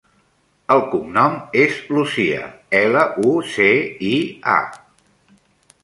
El cognom és Lucia: ela, u, ce, i, a.